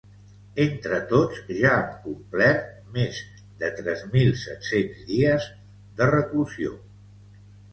Entre tots ja han complert més de tres mil set-cents dies de reclusió.